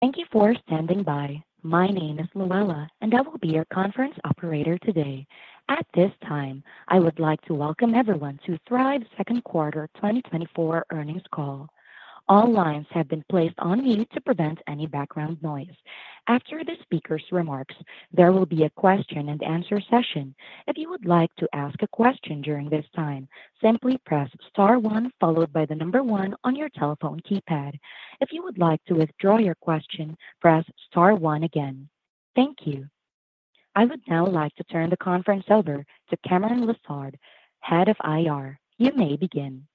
Thank you for standing by. My name is Llewelyn, and I will be your conference operator today. At this time, I would like to welcome everyone to Thryv's second quarter 2024 earnings call. All lines have been placed on mute to prevent any background noise. After the speaker's remarks, there will be a question-and-answer session. If you would like to ask a question during this time, simply press star one followed by the number one on your telephone keypad. If you would like to withdraw your question, press star one again. Thank you. I would now like to turn the conference over to Cameron Lessard, Head of IR. You may begin.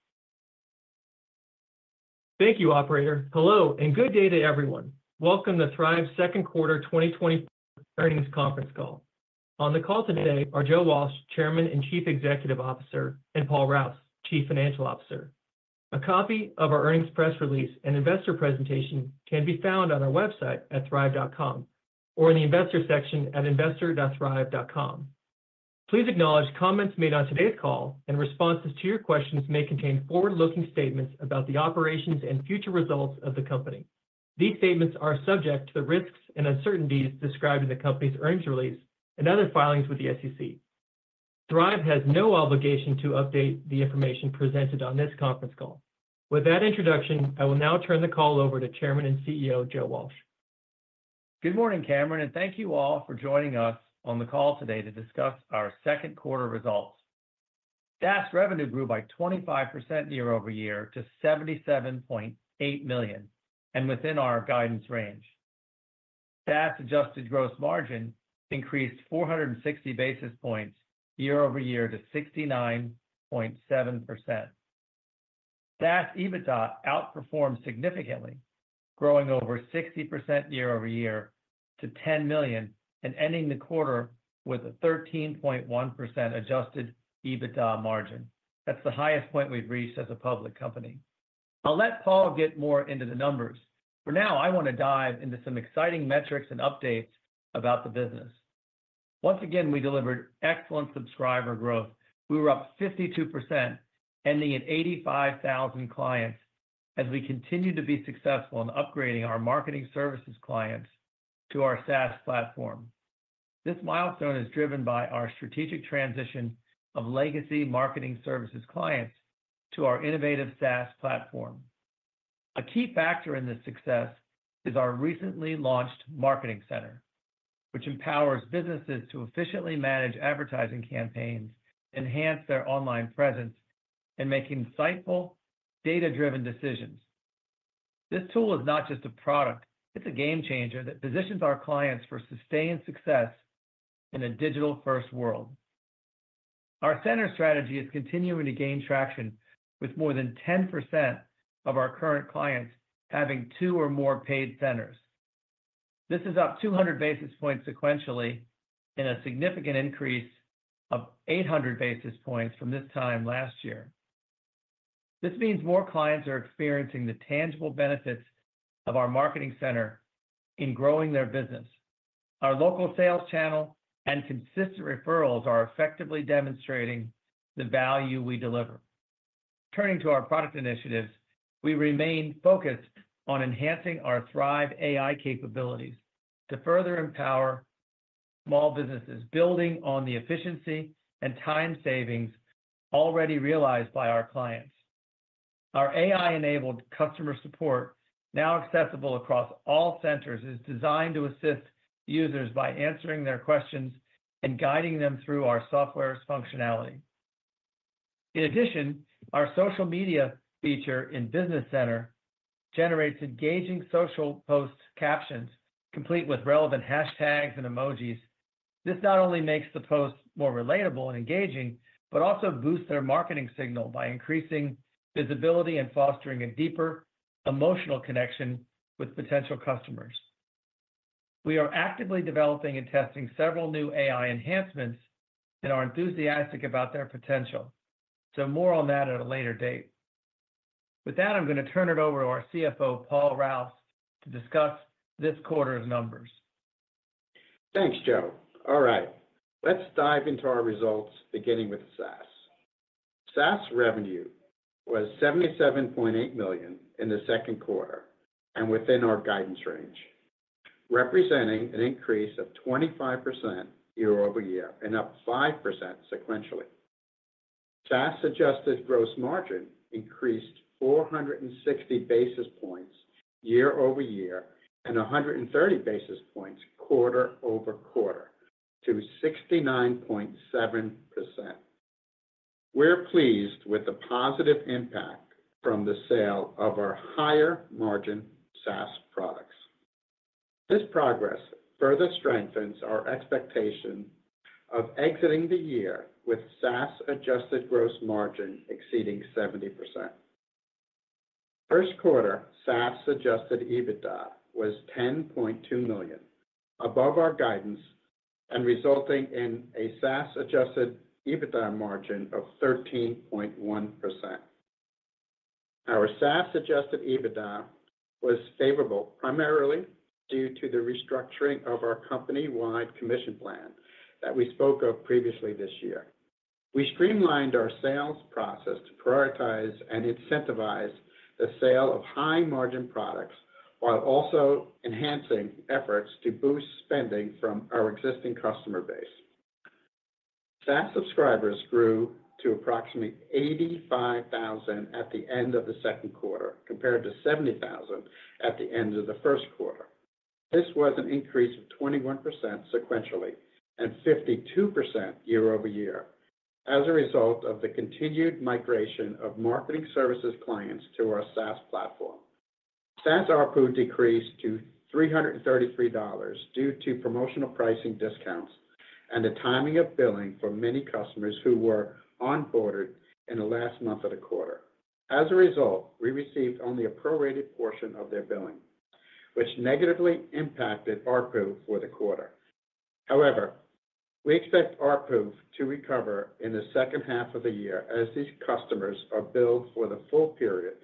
Thank you, Operator. Hello, and good day to everyone. Welcome to Thryv's second quarter 2024 earnings conference call. On the call today are Joe Walsh, Chairman and Chief Executive Officer, and Paul Rouse, Chief Financial Officer. A copy of our earnings press release and investor presentation can be found on our website at thryv.com or in the investor section at investor.thryv.com. Please acknowledge comments made on today's call, and responses to your questions may contain forward-looking statements about the operations and future results of the company. These statements are subject to the risks and uncertainties described in the company's earnings release and other filings with the SEC. Thryv has no obligation to update the information presented on this conference call. With that introduction, I will now turn the call over to Chairman and CEO Joe Walsh. Good morning, Cameron, and thank you all for joining us on the call today to discuss our second quarter results. SaaS revenue grew by 25% year-over-year to $77.8 million and within our guidance range. SaaS adjusted gross margin increased 460 basis points year-over-year to 69.7%. SaaS EBITDA outperformed significantly, growing over 60% year-over-year to $10 million and ending the quarter with a 13.1% adjusted EBITDA margin. That's the highest point we've reached as a public company. I'll let Paul get more into the numbers. For now, I want to dive into some exciting metrics and updates about the business. Once again, we delivered excellent subscriber growth. We were up 52%, ending at 85,000 clients as we continue to be successful in upgrading our Marketing Services clients to our SaaS platform. This milestone is driven by our strategic transition of legacy Marketing Services clients to our innovative SaaS platform. A key factor in this success is our recently launched Marketing Center, which empowers businesses to efficiently manage advertising campaigns, enhance their online presence, and make insightful, data-driven decisions. This tool is not just a product. It's a game changer that positions our clients for sustained success in a digital-first world. Our center strategy is continuing to gain traction, with more than 10% of our current clients having two or more paid centers. This is up 200 basis points sequentially and a significant increase of 800 basis points from this time last year. This means more clients are experiencing the tangible benefits of our Marketing Center in growing their business. Our local sales channel and consistent referrals are effectively demonstrating the value we deliver. Turning to our product initiatives, we remain focused on enhancing our Thryv AI capabilities to further empower small businesses, building on the efficiency and time savings already realized by our clients. Our AI-enabled customer support, now accessible across all centers, is designed to assist users by answering their questions and guiding them through our software's functionality. In addition, our social media feature in Business Center generates engaging social post captions complete with relevant hashtags and emojis. This not only makes the post more relatable and engaging, but also boosts their marketing signal by increasing visibility and fostering a deeper emotional connection with potential customers. We are actively developing and testing several new AI enhancements, and we are enthusiastic about their potential. So more on that at a later date. With that, I'm going to turn it over to our CFO, Paul Rouse, to discuss this quarter's numbers. Thanks, Joe. All right, let's dive into our results, beginning with SaaS. SaaS revenue was $77.8 million in the second quarter and within our guidance range, representing an increase of 25% year-over-year and up 5% sequentially. SaaS adjusted gross margin increased 460 basis points year-over-year and 130 basis points quarter-over-quarter to 69.7%. We're pleased with the positive impact from the sale of our higher margin SaaS products. This progress further strengthens our expectation of exiting the year with SaaS adjusted gross margin exceeding 70%. First quarter SaaS adjusted EBITDA was $10.2 million, above our guidance, and resulting in a SaaS adjusted EBITDA margin of 13.1%. Our SaaS adjusted EBITDA was favorable primarily due to the restructuring of our company-wide commission plan that we spoke of previously this year. We streamlined our sales process to prioritize and incentivize the sale of high-margin products while also enhancing efforts to boost spending from our existing customer base. SaaS subscribers grew to approximately 85,000 at the end of the second quarter, compared to 70,000 at the end of the first quarter. This was an increase of 21% sequentially and 52% year-over-year as a result of the continued migration of Marketing Services clients to our SaaS platform. SaaS ARPU decreased to $333 due to promotional pricing discounts and the timing of billing for many customers who were onboarded in the last month of the quarter. As a result, we received only a prorated portion of their billing, which negatively impacted ARPU for the quarter. However, we expect ARPU to recover in the second half of the year as these customers are billed for the full period,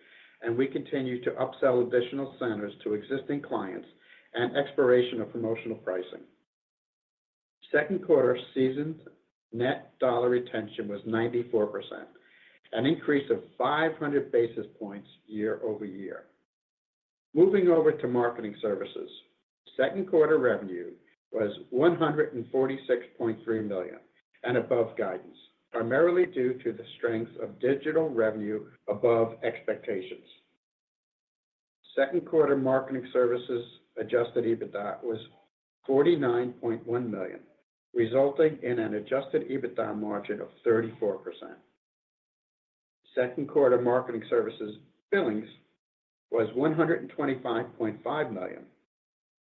and we continue to upsell additional centers to existing clients and expiration of promotional pricing. Second quarter seasoned net dollar retention was 94%, an increase of 500 basis points year-over-year. Moving over to Marketing Services, second quarter revenue was $146.3 million and above guidance, primarily due to the strength of digital revenue above expectations. Second quarter Marketing Services adjusted EBITDA was $49.1 million, resulting in an adjusted EBITDA margin of 34%. Second quarter Marketing Services billings was $125.5 million,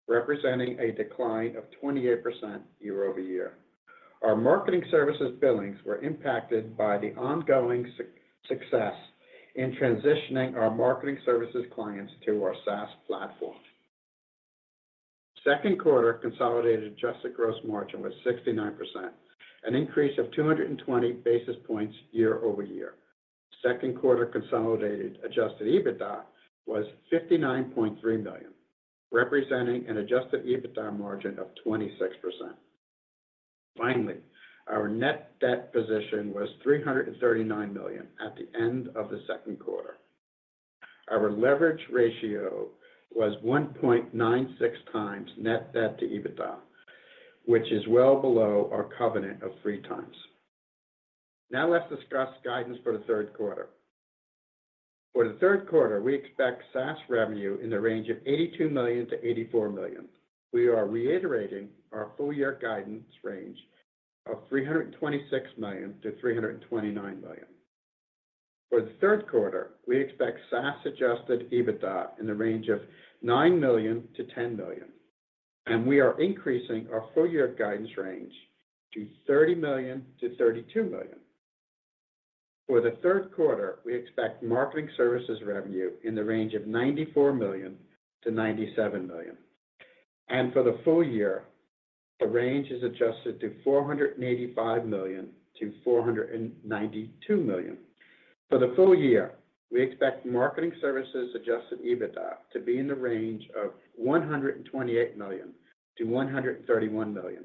representing a decline of 28% year-over-year. Our Marketing Services billings were impacted by the ongoing success in transitioning our Marketing Services clients to our SaaS platform. Second quarter consolidated adjusted gross margin was 69%, an increase of 220 basis points year-over-year. Second quarter consolidated adjusted EBITDA was $59.3 million, representing an adjusted EBITDA margin of 26%. Finally, our net debt position was $339 million at the end of the second quarter. Our leverage ratio was 1.96x net-debt-to-EBITDA, which is well below our covenant of 3x. Now let's discuss guidance for the third quarter. For the third quarter, we expect SaaS revenue in the range of $82 million-$84 million. We are reiterating our full-year guidance range of $326 million-$329 million. For the third quarter, we expect SaaS adjusted EBITDA in the range of $9 million-$10 million, and we are increasing our full-year guidance range to $30 million-$32 million. For the third quarter, we expect Marketing Services revenue in the range of $94 million-$97 million. For the full year, the range is adjusted to $485 million-$492 million. For the full year, we expect Marketing Services adjusted EBITDA to be in the range of $128 million-$131 million.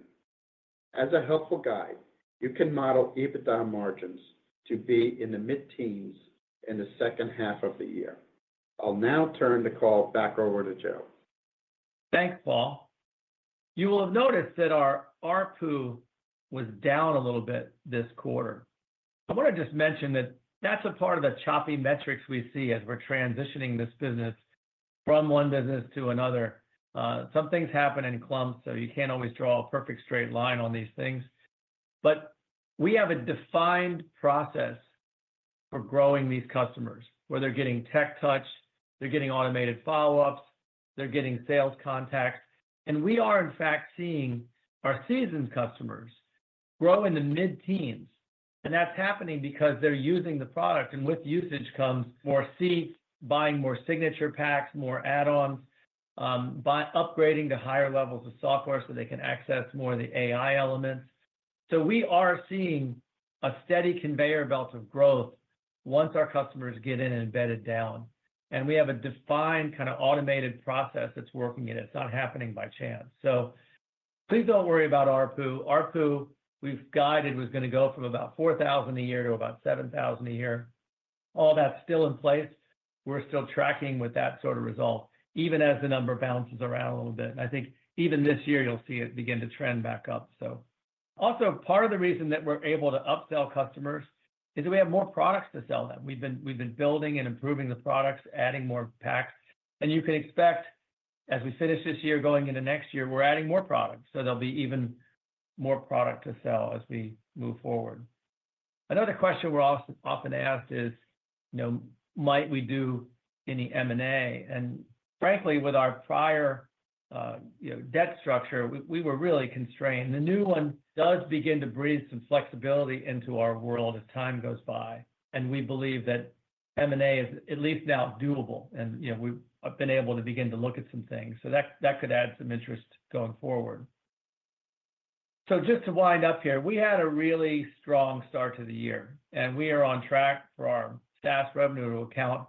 As a helpful guide, you can model EBITDA margins to be in the mid-teens in the second half of the year. I'll now turn the call back over to Joe. Thanks, Paul. You will have noticed that our ARPU was down a little bit this quarter. I want to just mention that that's a part of the choppy metrics we see as we're transitioning this business from one business to another. Some things happen in clumps, so you can't always draw a perfect straight line on these things. But we have a defined process for growing these customers, where they're getting tech touch, they're getting automated follow-ups, they're getting sales contacts. And we are, in fact, seeing our seasoned customers grow in the mid-teens. And that's happening because they're using the product, and with usage comes more seats, buying more signature packs, more add-ons, upgrading to higher levels of software so they can access more of the AI elements. So we are seeing a steady conveyor belt of growth once our customers get in and embedded down. And we have a defined kind of automated process that's working it. It's not happening by chance. So please don't worry about ARPU. ARPU we've guided was going to go from about $4,000 a year to about $7,000 a year. All that's still in place. We're still tracking with that sort of result, even as the number bounces around a little bit. And I think even this year you'll see it begin to trend back up. So also, part of the reason that we're able to upsell customers is that we have more products to sell them. We've been building and improving the products, adding more packs. And you can expect, as we finish this year going into next year, we're adding more products. So there'll be even more product to sell as we move forward. Another question we're often asked is, you know, might we do any M&A? Frankly, with our prior debt structure, we were really constrained. The new one does begin to breathe some flexibility into our world as time goes by. We believe that M&A is at least now doable. We've been able to begin to look at some things. So that could add some interest going forward. Just to wind up here, we had a really strong start to the year. We are on track for our SaaS revenue to account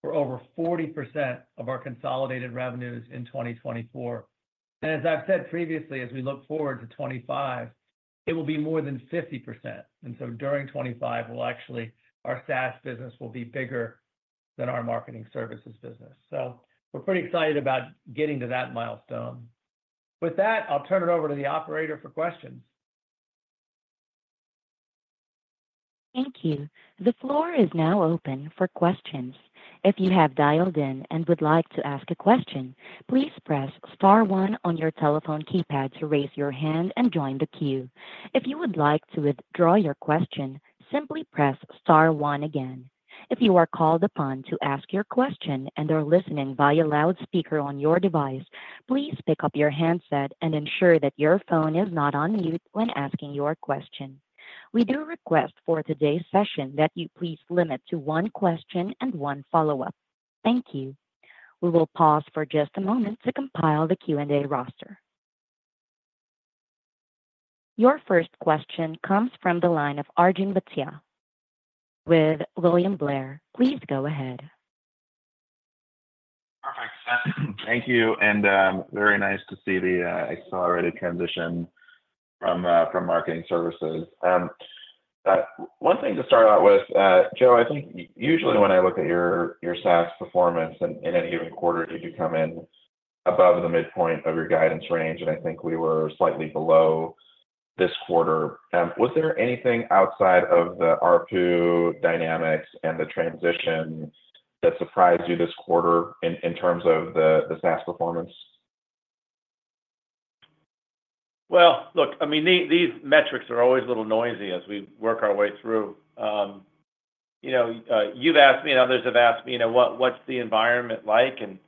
for over 40% of our consolidated revenues in 2024. As I've said previously, as we look forward to 2025, it will be more than 50%. During 2025, we'll actually our SaaS business will be bigger than our Marketing Services business. We're pretty excited about getting to that milestone. With that, I'll turn it over to the operator for questions. Thank you. The floor is now open for questions. If you have dialed in and would like to ask a question, please press star one on your telephone keypad to raise your hand and join the queue. If you would like to withdraw your question, simply press star one again. If you are called upon to ask your question and are listening via loudspeaker on your device, please pick up your handset and ensure that your phone is not on mute when asking your question. We do request for today's session that you please limit to one question and one follow-up. Thank you. We will pause for just a moment to compile the Q&A roster. Your first question comes from the line of Arjun Bhatia with William Blair. Please go ahead. Perfect. Thank you. Very nice to see the accelerated transition from Marketing Services. One thing to start out with, Joe, I think usually when I look at your SaaS performance in any given quarter, you do come in above the midpoint of your guidance range. I think we were slightly below this quarter. Was there anything outside of the ARPU dynamics and the transition that surprised you this quarter in terms of the SaaS performance? Well, look, I mean, these metrics are always a little noisy as we work our way through. You've asked me, and others have asked me, what's the environment like? And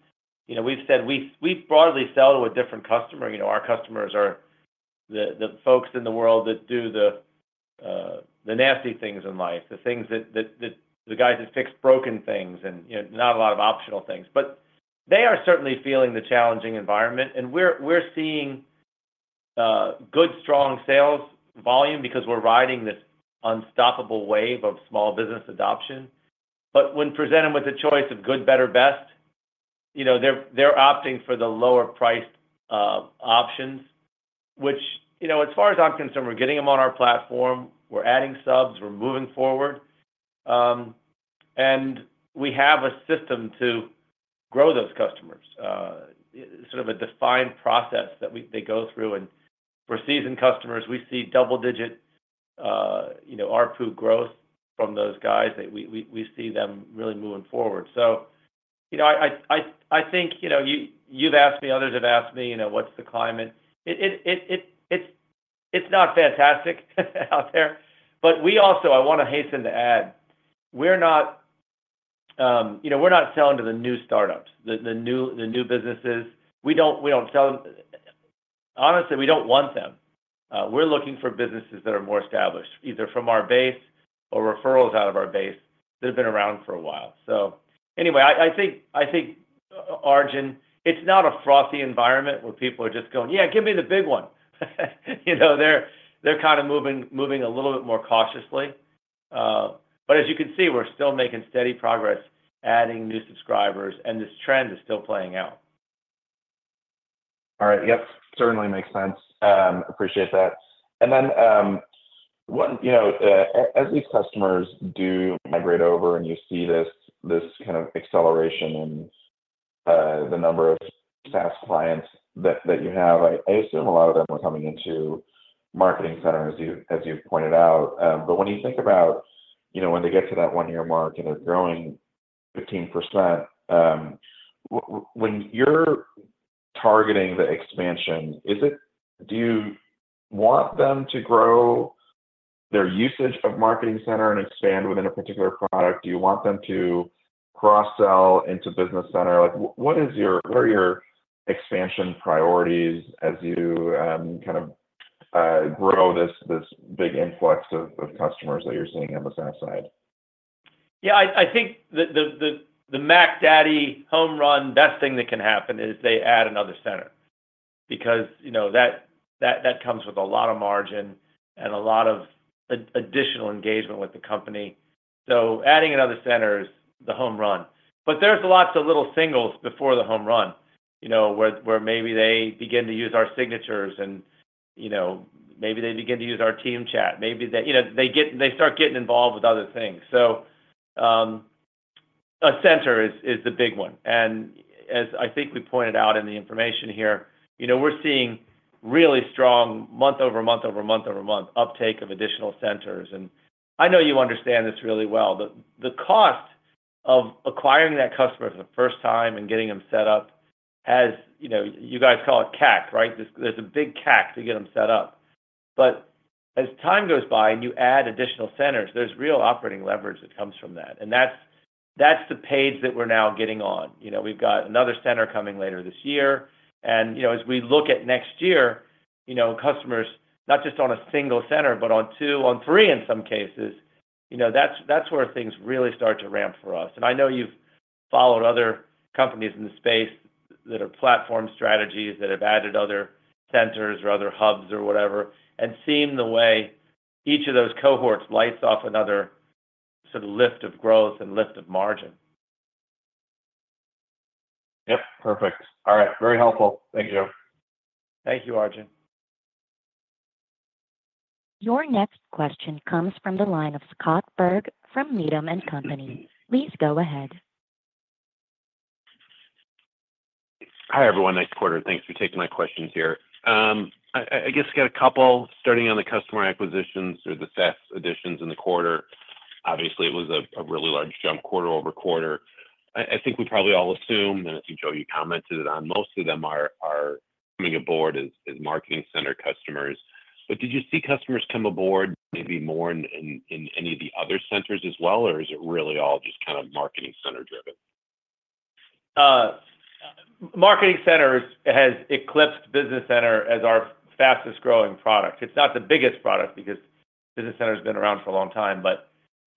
we've said we broadly sell to a different customer. Our customers are the folks in the world that do the nasty things in life, the things that the guys that fix broken things and not a lot of optional things. But they are certainly feeling the challenging environment. And we're seeing good, strong sales volume because we're riding this unstoppable wave of small business adoption. But when presented with the choice of good, better, best, they're opting for the lower-priced options, which, as far as I'm concerned, we're getting them on our platform. We're adding subs. We're moving forward. And we have a system to grow those customers, sort of a defined process that they go through. And for seasoned customers, we see double-digit ARPU growth from those guys. We see them really moving forward. So I think you've asked me, others have asked me, what's the climate? It's not fantastic out there. But we also, I want to hasten to add, we're not selling to the new startups, the new businesses. We don't sell them. Honestly, we don't want them. We're looking for businesses that are more established, either from our base or referrals out of our base that have been around for a while. So anyway, I think, Arjun, it's not a frothy environment where people are just going, "Yeah, give me the big one." They're kind of moving a little bit more cautiously. But as you can see, we're still making steady progress, adding new subscribers. And this trend is still playing out. All right. Yep. Certainly makes sense. Appreciate that. And then as these customers do migrate over and you see this kind of acceleration in the number of SaaS clients that you have, I assume a lot of them are coming into Marketing Centers, as you've pointed out. But when you think about when they get to that one-year mark and they're growing 15%, when you're targeting the expansion, do you want them to grow their usage of Marketing Center and expand within a particular product? Do you want them to cross-sell into Business Center? What are your expansion priorities as you kind of grow this big influx of customers that you're seeing on the SaaS side? Yeah. I think the Mac daddy home run best thing that can happen is they add another center because that comes with a lot of margin and a lot of additional engagement with the company. So adding another center is the home run. But there's lots of little singles before the home run where maybe they begin to use our signatures and maybe they begin to use our Team Chat. Maybe they start getting involved with other things. So a center is the big one. And as I think we pointed out in the information here, we're seeing really strong month-over-month-over-month-over-month uptake of additional centers. And I know you understand this really well. The cost of acquiring that customer for the first time and getting them set up has, you guys call it CAC, right? There's a big CAC to get them set up. As time goes by and you add additional centers, there's real operating leverage that comes from that. That's the page that we're now getting on. We've got another center coming later this year. As we look at next year, customers not just on a single center, but on two, on three in some cases, that's where things really start to ramp for us. I know you've followed other companies in the space that are platform strategies that have added other centers or other hubs or whatever and seen the way each of those cohorts lights off another sort of lift of growth and lift of margin. Yep. Perfect. All right. Very helpful. Thank you, Joe. Thank you, Arjun. Your next question comes from the line of Scott Berg from Needham & Company. Please go ahead. Hi everyone. Nice quarter. Thanks for taking my questions here. I guess I got a couple starting on the customer acquisitions or the SaaS additions in the quarter. Obviously, it was a really large jump quarter-over-quarter. I think we probably all assume, and I think, Joe, you commented on most of them are coming aboard as marketing center customers. But did you see customers come aboard maybe more in any of the other centers as well, or is it really all just kind of marketing center-driven? Marketing Center has eclipsed Business Center as our fastest-growing product. It's not the biggest product because Business Center has been around for a long time. But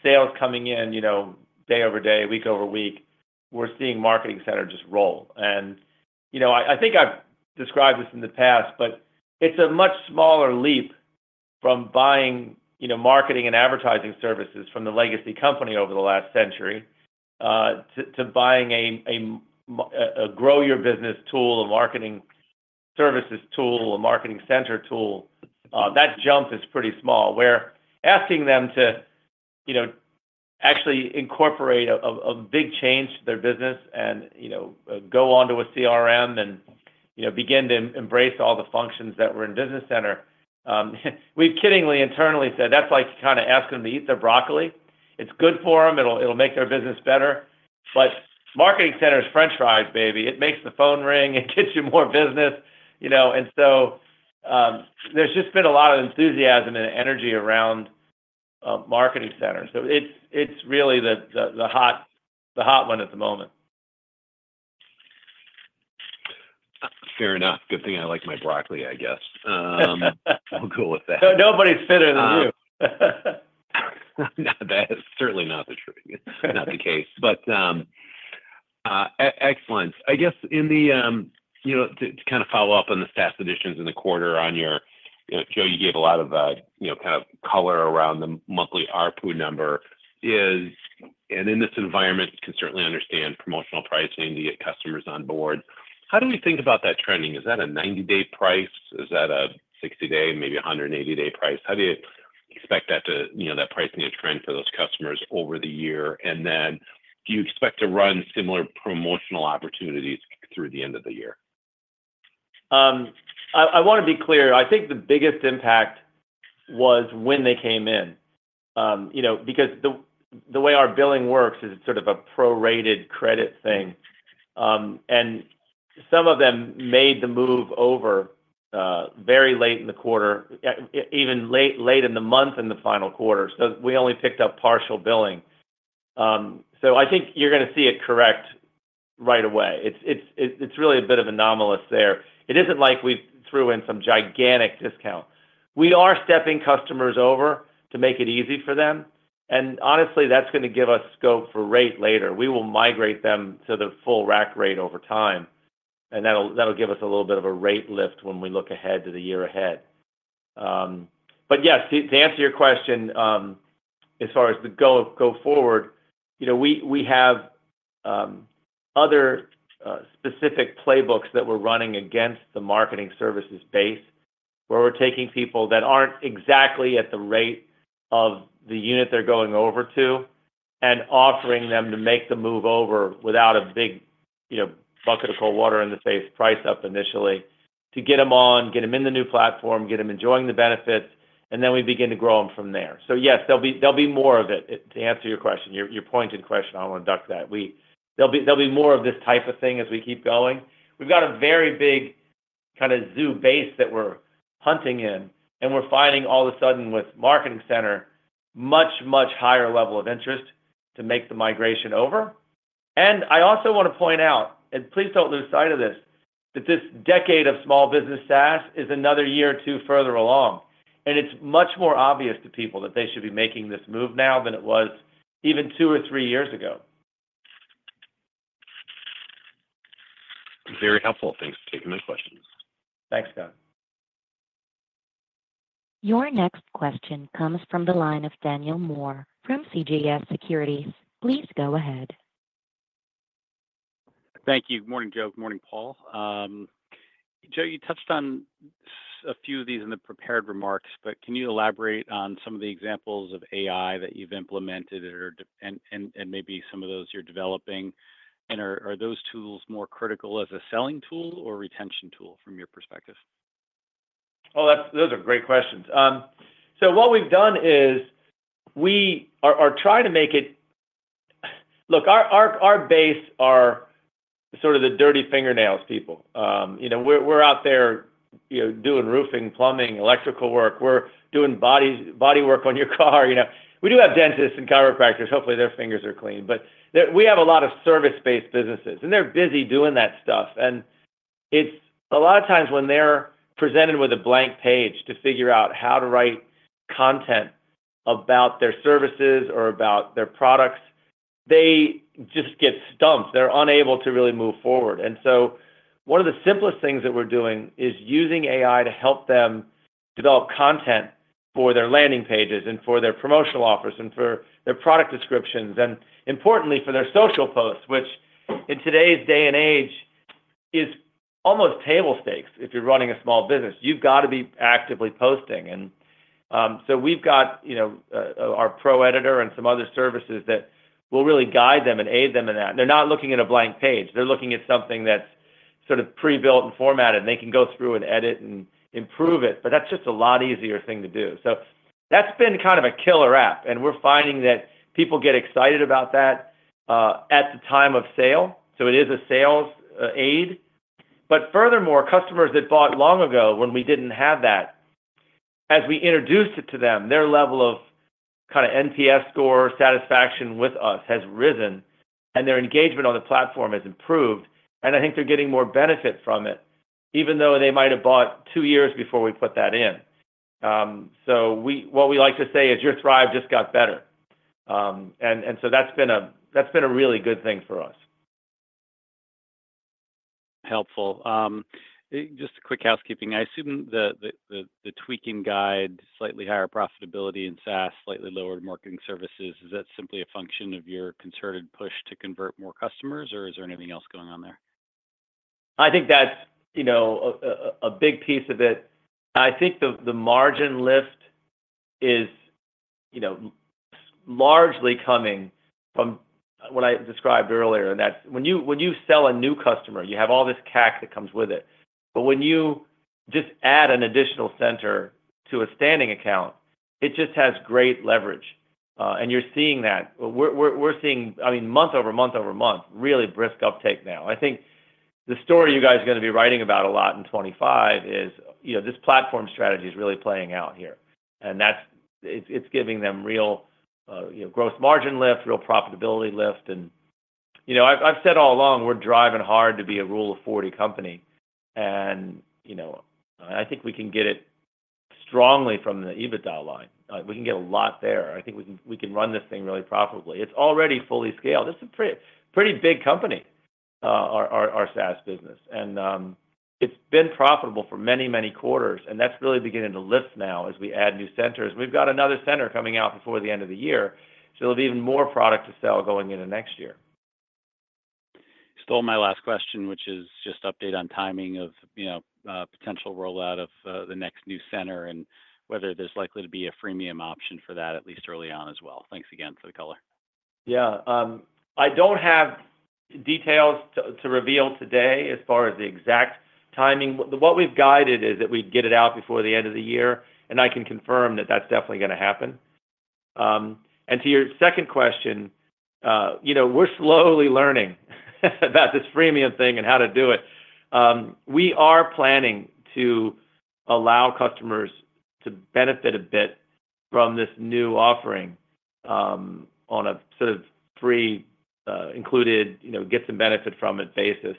sales coming in day over day, week over week, we're seeing Marketing Center just roll. And I think I've described this in the past, but it's a much smaller leap from buying marketing and advertising services from the legacy company over the last century to buying a grow-your-business tool, a Marketing Services tool, a Marketing Center tool. That jump is pretty small, where asking them to actually incorporate a big change to their business and go on to a CRM and begin to embrace all the functions that were in Business Center. We've kiddingly internally said that's like kind of asking them to eat their broccoli. It's good for them. It'll make their business better. But Marketing Center is French fries, baby. It makes the phone ring. It gets you more business. And so there's just been a lot of enthusiasm and energy around Marketing Center. So it's really the hot one at the moment. Fair enough. Good thing I like my broccoli, I guess. We'll go with that. Nobody's fitter than you. That's certainly not the case. But excellent. I guess in the to kind of follow up on the SaaS additions in the quarter on your Joe, you gave a lot of kind of color around the monthly ARPU number. And in this environment, you can certainly understand promotional pricing to get customers on board. How do we think about that trending? Is that a 90-day price? Is that a 60-day, maybe 180-day price? How do you expect that pricing to trend for those customers over the year? And then do you expect to run similar promotional opportunities through the end of the year? I want to be clear. I think the biggest impact was when they came in because the way our billing works is sort of a pro-rated credit thing. And some of them made the move over very late in the quarter, even late in the month in the final quarter. So we only picked up partial billing. So I think you're going to see it correct right away. It's really a bit of an anomaly there. It isn't like we threw in some gigantic discount. We are stepping customers over to make it easy for them. And honestly, that's going to give us scope for rate later. We will migrate them to the full rack rate over time. And that'll give us a little bit of a rate lift when we look ahead to the year ahead. But yes, to answer your question as far as the go forward, we have other specific playbooks that we're running against the Marketing Services base where we're taking people that aren't exactly at the rate of the unit they're going over to and offering them to make the move over without a big bucket of cold water in the face price up initially to get them on, get them in the new platform, get them enjoying the benefits. And then we begin to grow them from there. So yes, there'll be more of it. To answer your question, your pointed question, I want to duck that. There'll be more of this type of thing as we keep going. We've got a very big kind of zoo base that we're hunting in. And we're finding all of a sudden with Marketing Center, much, much higher level of interest to make the migration over. And I also want to point out, and please don't lose sight of this, that this decade of small business SaaS is another year or two further along. And it's much more obvious to people that they should be making this move now than it was even two or three years ago. Very helpful. Thanks for taking my questions. Thanks, Scott. Your next question comes from the line of Daniel Moore from CJS Securities. Please go ahead. Thank you. Good morning, Joe. Good morning, Paul. Joe, you touched on a few of these in the prepared remarks, but can you elaborate on some of the examples of AI that you've implemented and maybe some of those you're developing? And are those tools more critical as a selling tool or retention tool from your perspective? Oh, those are great questions. So what we've done is we are trying to make it look, our base are sort of the dirty fingernails people. We're out there doing roofing, plumbing, electrical work. We're doing bodywork on your car. We do have dentists and chiropractors. Hopefully, their fingers are clean. But we have a lot of service-based businesses. And they're busy doing that stuff. And a lot of times when they're presented with a blank page to figure out how to write content about their services or about their products, they just get stumped. They're unable to really move forward. One of the simplest things that we're doing is using AI to help them develop content for their landing pages and for their promotional offers and for their product descriptions and, importantly, for their social posts, which in today's day and age is almost table stakes if you're running a small business. You've got to be actively posting. We've got our pro editor and some other services that will really guide them and aid them in that. They're not looking at a blank page. They're looking at something that's sort of pre-built and formatted. They can go through and edit and improve it. But that's just a lot easier thing to do. That's been kind of a killer app. We're finding that people get excited about that at the time of sale. It is a sales aid. But furthermore, customers that bought long ago when we didn't have that, as we introduced it to them, their level of kind of NPS score satisfaction with us has risen. Their engagement on the platform has improved. I think they're getting more benefit from it, even though they might have bought two years before we put that in. So what we like to say is your Thryv just got better. So that's been a really good thing for us. Helpful. Just a quick housekeeping. I assume the tweaking guide, slightly higher profitability in SaaS, slightly lower Marketing Services. Is that simply a function of your concerted push to convert more customers, or is there anything else going on there? I think that's a big piece of it. I think the margin lift is largely coming from what I described earlier. And when you sell a new customer, you have all this CAC that comes with it. But when you just add an additional center to a standing account, it just has great leverage. And you're seeing that. We're seeing, I mean, month-over-month-over-month, really brisk uptake now. I think the story you guys are going to be writing about a lot in 2025 is this platform strategy is really playing out here. And it's giving them real gross margin lift, real profitability lift. And I've said all along we're driving hard to be a Rule of 40 company. And I think we can get it strongly from the EBITDA line. We can get a lot there. I think we can run this thing really profitably. It's already fully scaled. It's a pretty big company, our SaaS business. It's been profitable for many, many quarters. That's really beginning to lift now as we add new centers. We've got another center coming out before the end of the year. There'll be even more product to sell going into next year. Stole my last question, which is just update on timing of potential rollout of the next new center and whether there's likely to be a freemium option for that, at least early on as well. Thanks again for the color. Yeah. I don't have details to reveal today as far as the exact timing. What we've guided is that we get it out before the end of the year. I can confirm that that's definitely going to happen. To your second question, we're slowly learning about this freemium thing and how to do it. We are planning to allow customers to benefit a bit from this new offering on a sort of free included get some benefit from it basis,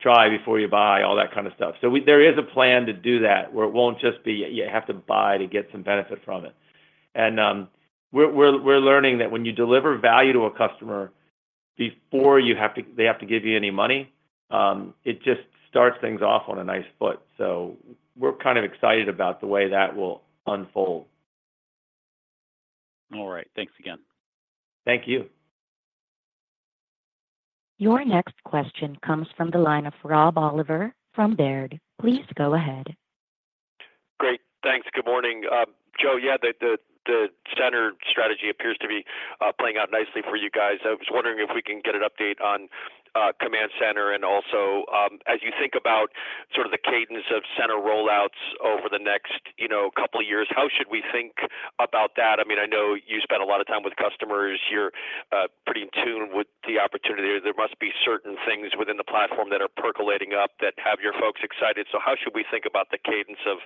try before you buy, all that kind of stuff. There is a plan to do that where it won't just be you have to buy to get some benefit from it. We're learning that when you deliver value to a customer before they have to give you any money, it just starts things off on a nice foot. We're kind of excited about the way that will unfold. All right. Thanks again. Thank you. Your next question comes from the line of Rob Oliver from Baird. Please go ahead. Great. Thanks. Good morning. Joe, yeah, the Center strategy appears to be playing out nicely for you guys. I was wondering if we can get an update on Command Center and also as you think about sort of the cadence of Center rollouts over the next couple of years, how should we think about that? I mean, I know you spend a lot of time with customers. You're pretty in tune with the opportunity. There must be certain things within the platform that are percolating up that have your folks excited. So how should we think about the cadence of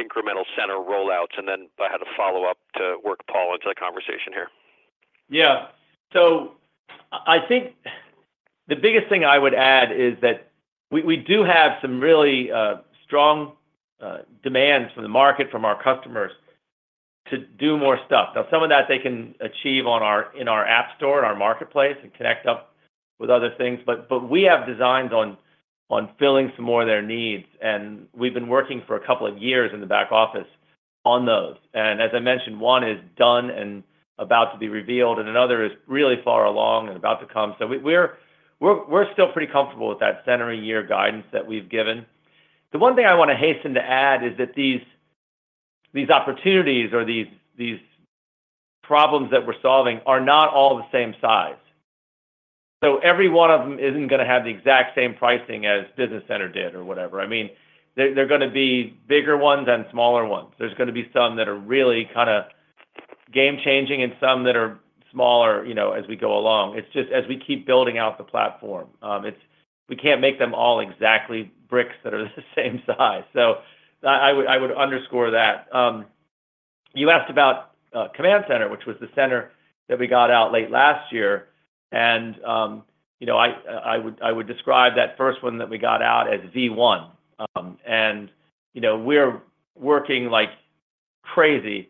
incremental Center rollouts? And then I had a follow-up to work Paul into the conversation here. Yeah. So I think the biggest thing I would add is that we do have some really strong demands from the market, from our customers to do more stuff. Now, some of that they can achieve in our app store, our marketplace, and connect up with other things. But we have designs on filling some more of their needs. And we've been working for a couple of years in the back office on those. And as I mentioned, one is done and about to be revealed. And another is really far along and about to come. So we're still pretty comfortable with that center of year guidance that we've given. The one thing I want to hasten to add is that these opportunities or these problems that we're solving are not all the same size. So every one of them isn't going to have the exact same pricing as Business Center did or whatever. I mean, there are going to be bigger ones and smaller ones. There's going to be some that are really kind of game-changing and some that are smaller as we go along. It's just as we keep building out the platform, we can't make them all exactly bricks that are the same size. So I would underscore that. You asked about Command Center, which was the center that we got out late last year. And I would describe that first one that we got out as V1. And we're working like crazy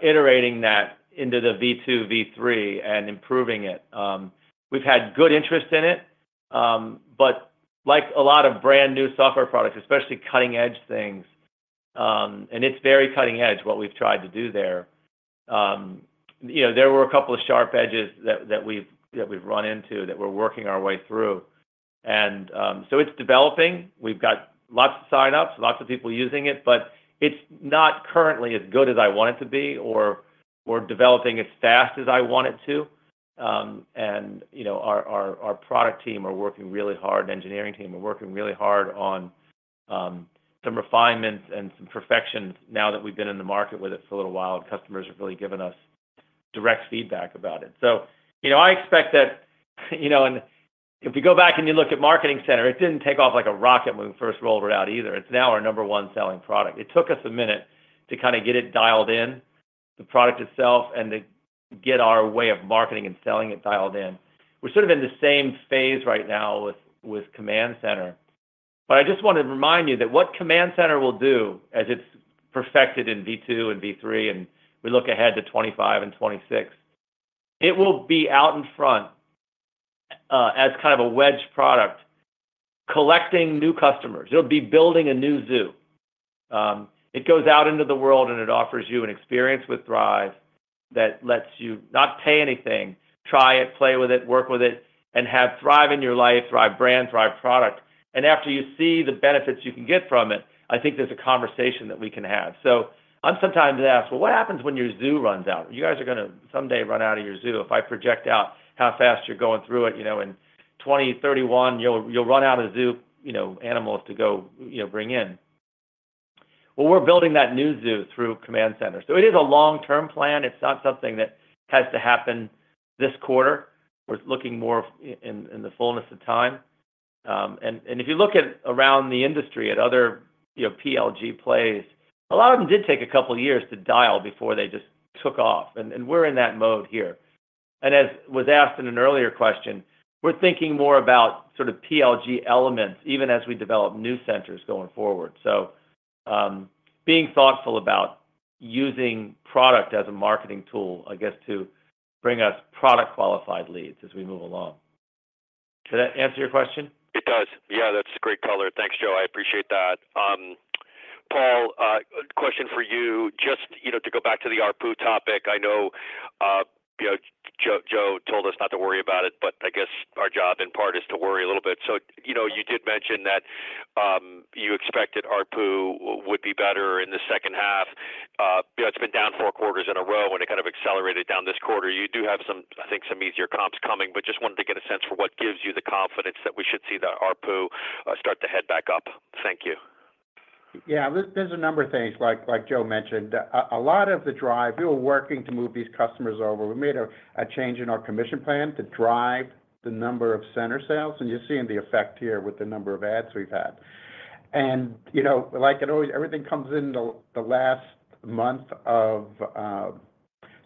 iterating that into the V2, V3, and improving it. We've had good interest in it. But like a lot of brand new software products, especially cutting-edge things, and it's very cutting-edge what we've tried to do there. There were a couple of sharp edges that we've run into that we're working our way through. And so it's developing. We've got lots of sign-ups, lots of people using it. But it's not currently as good as I want it to be or developing as fast as I want it to. And our product team are working really hard, engineering team are working really hard on some refinements and some perfections now that we've been in the market with it for a little while. And customers have really given us direct feedback about it. So I expect that if you go back and you look at Marketing Center, it didn't take off like a rocket when we first rolled it out either. It's now our number one selling product. It took us a minute to kind of get it dialed in, the product itself, and to get our way of marketing and selling it dialed in. We're sort of in the same phase right now with Command Center. But I just want to remind you that what Command Center will do as it's perfected in V2 and V3, and we look ahead to 2025 and 2026, it will be out in front as kind of a wedge product collecting new customers. It'll be building a new zoo. It goes out into the world, and it offers you an experience with Thryv that lets you not pay anything, try it, play with it, work with it, and have Thryv in your life, Thryv brand, Thryv product. After you see the benefits you can get from it, I think there's a conversation that we can have. I'm sometimes asked, "Well, what happens when your zoo runs out? You guys are going to someday run out of your zoo if I project out how fast you're going through it in 2020, 2031, you'll run out of zoo animals to go bring in." Well, we're building that new zoo through Command Center. So it is a long-term plan. It's not something that has to happen this quarter. We're looking more in the fullness of time. And if you look at around the industry at other PLG plays, a lot of them did take a couple of years to dial before they just took off. And we're in that mode here. As was asked in an earlier question, we're thinking more about sort of PLG elements even as we develop new centers going forward. Being thoughtful about using product as a marketing tool to bring us product-qualified leads as we move along. Does that answer your question? It does. Yeah, that's a great color. Thanks, Joe. I appreciate that. Paul, question for you. Just to go back to the ARPU topic, I know Joe told us not to worry about it, but I guess our job in part is to worry a little bit. So you did mention that you expected ARPU would be better in the second half. It's been down four quarters in a row, and it kind of accelerated down this quarter. You do have, I think, some easier comps coming, but just wanted to get a sense for what gives you the confidence that we should see the ARPU start to head back up. Thank you. Yeah. There's a number of things, like Joe mentioned. A lot of the drive, we were working to move these customers over. We made a change in our commission plan to drive the number of center sales. And you're seeing the effect here with the number of ads we've had. And like I always, everything comes in the last month of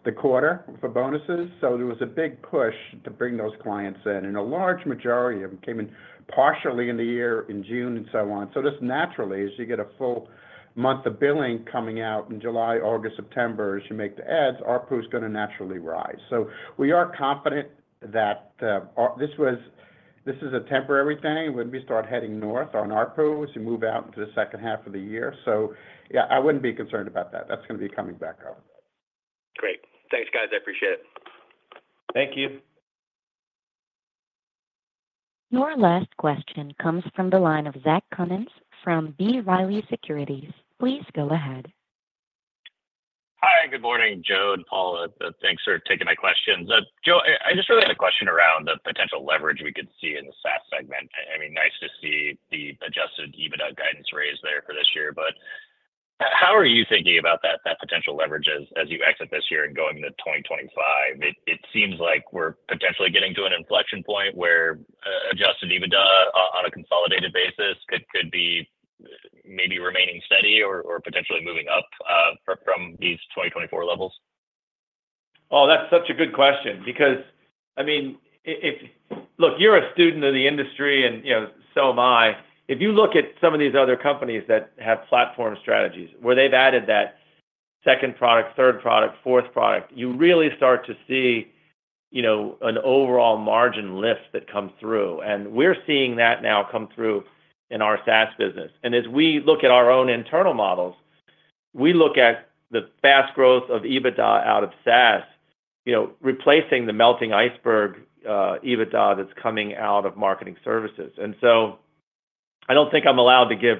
the quarter for bonuses. So there was a big push to bring those clients in. And a large majority of them came in partially in the year in June and so on. So just naturally, as you get a full month of billing coming out in July, August, September, as you make the ads, ARPU is going to naturally rise. So we are confident that this is a temporary thing. When we start heading north on ARPU as we move out into the second half of the year. So yeah, I wouldn't be concerned about that. That's going to be coming back up. Great. Thanks, guys. I appreciate it. Thank you. Your last question comes from the line of Zach Cummins from B. Riley Securities. Please go ahead. Hi. Good morning, Joe and Paul. Thanks for taking my questions. Joe, I just really had a question around the potential leverage we could see in the SaaS segment. I mean, nice to see the adjusted EBITDA guidance raised there for this year. But how are you thinking about that potential leverage as you exit this year and going into 2025? It seems like we're potentially getting to an inflection point where adjusted EBITDA on a consolidated basis could be maybe remaining steady or potentially moving up from these 2024 levels. Oh, that's such a good question. Because, I mean, look, you're a student of the industry, and so am I. If you look at some of these other companies that have platform strategies where they've added that second product, third product, fourth product, you really start to see an overall margin lift that comes through. And we're seeing that now come through in our SaaS business. And as we look at our own internal models, we look at the fast growth of EBITDA out of SaaS replacing the melting iceberg EBITDA that's coming out of Marketing Services. And so I don't think I'm allowed to give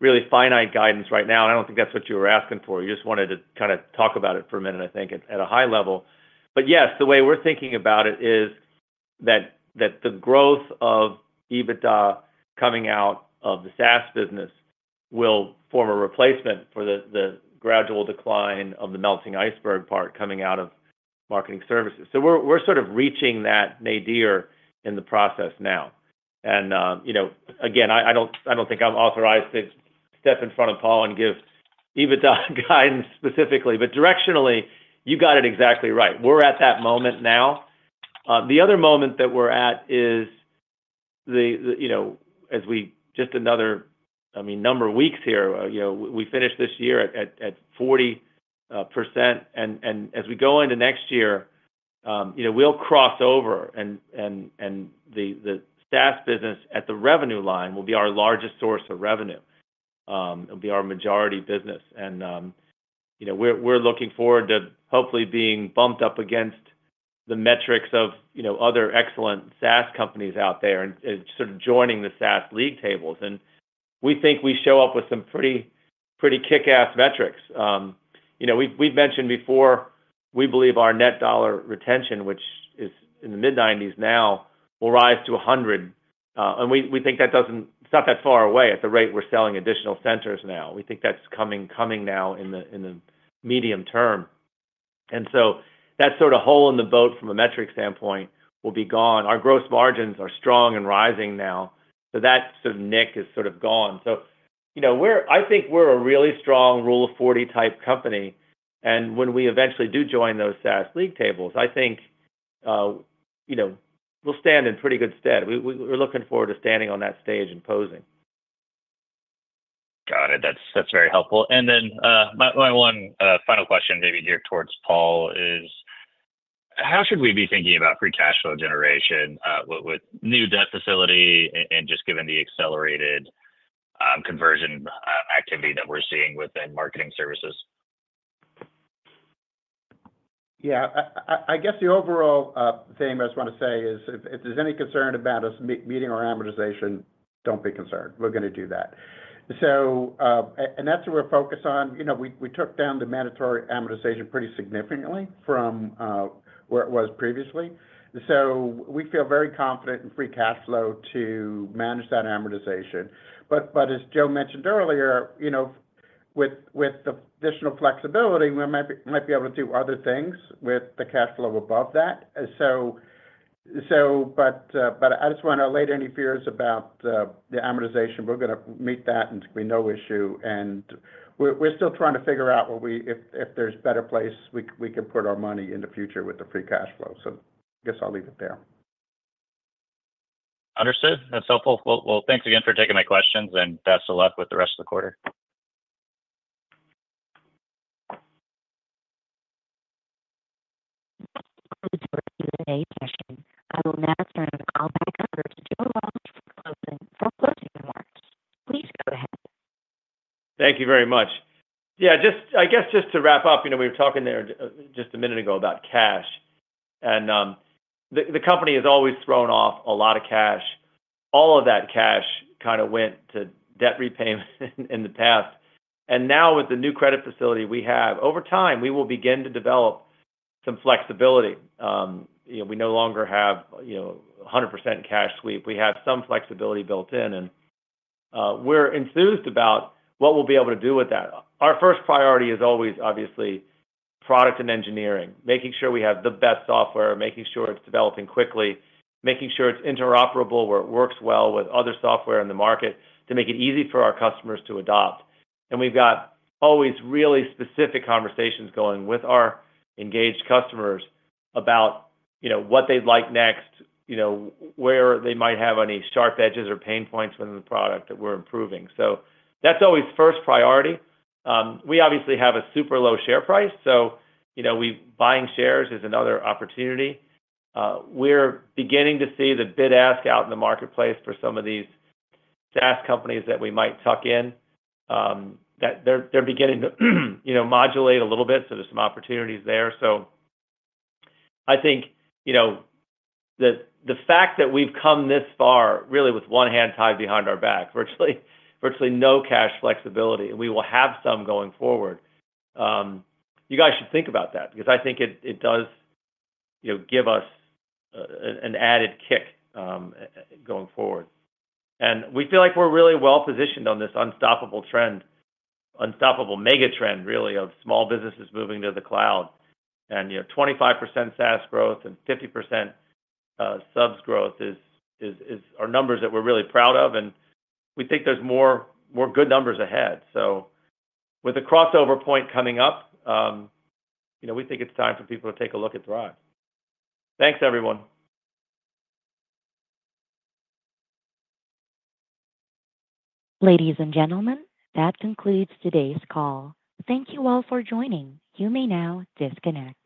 really finite guidance right now. And I don't think that's what you were asking for. You just wanted to kind of talk about it for a minute, I think, at a high level. But yes, the way we're thinking about it is that the growth of EBITDA coming out of the SaaS business will form a replacement for the gradual decline of the melting iceberg part coming out of Marketing Services. So we're sort of reaching that nadir in the process now. And again, I don't think I'm authorized to step in front of Paul and give EBITDA guidance specifically. But directionally, you got it exactly right. We're at that moment now. The other moment that we're at is as we just another, I mean, number of weeks here, we finished this year at 40%. And as we go into next year, we'll cross over. And the SaaS business at the revenue line will be our largest source of revenue. It'll be our majority business. We're looking forward to hopefully being bumped up against the metrics of other excellent SaaS companies out there and sort of joining the SaaS league tables. We think we show up with some pretty kick-ass metrics. We've mentioned before we believe our net dollar retention, which is in the mid-90s now, will rise to 100%. We think that's not that far away at the rate we're selling additional centers now. We think that's coming now in the medium term. That sort of hole in the boat from a metric standpoint will be gone. Our gross margins are strong and rising now. So that sort of nick is sort of gone. I think we're a really strong Rule of 40 type company. When we eventually do join those SaaS league tables, I think we'll stand in pretty good stead. We're looking forward to standing on that stage and posing. Got it. That's very helpful. And then my one final question maybe here towards Paul is, how should we be thinking about free cash flow generation with new debt facility and just given the accelerated conversion activity that we're seeing within Marketing Services? Yeah. I guess the overall thing I just want to say is if there's any concern about us meeting our amortization, don't be concerned. We're going to do that. And that's what we're focused on. We took down the mandatory amortization pretty significantly from where it was previously. So we feel very confident in free cash flow to manage that amortization. But as Joe mentioned earlier, with the additional flexibility, we might be able to do other things with the cash flow above that. But I just want to allay any fears about the amortization. We're going to meet that and it's going to be no issue. And we're still trying to figure out if there's a better place we can put our money in the future with the free cash flow. So I guess I'll leave it there. Understood. That's helpful. Well, thanks again for taking my questions. Best of luck with the rest of the quarter. Thank you for your today's session. I will now turn the call back over to Joe Walsh for closing remarks. Please go ahead. Thank you very much. Yeah. I guess just to wrap up, we were talking there just a minute ago about cash. The company has always thrown off a lot of cash. All of that cash kind of went to debt repayment in the past. Now with the new credit facility we have, over time, we will begin to develop some flexibility. We no longer have 100% cash sweep. We have some flexibility built in. We're enthused about what we'll be able to do with that. Our first priority is always, obviously, product and engineering, making sure we have the best software, making sure it's developing quickly, making sure it's interoperable where it works well with other software in the market to make it easy for our customers to adopt. And we've got always really specific conversations going with our engaged customers about what they'd like next, where they might have any sharp edges or pain points within the product that we're improving. So that's always first priority. We obviously have a super low share price. So buying shares is another opportunity. We're beginning to see the bid-ask out in the marketplace for some of these SaaS companies that we might tuck in. They're beginning to modulate a little bit. So there's some opportunities there. So I think the fact that we've come this far really with one hand tied behind our back, virtually no cash flexibility, and we will have some going forward, you guys should think about that because I think it does give us an added kick going forward. We feel like we're really well positioned on this unstoppable trend, unstoppable mega trend, really, of small businesses moving to the cloud. 25% SaaS growth and 50% subs growth are numbers that we're really proud of. We think there's more good numbers ahead. With the crossover point coming up, we think it's time for people to take a look at Thryv. Thanks, everyone. Ladies and gentlemen, that concludes today's call. Thank you all for joining. You may now disconnect..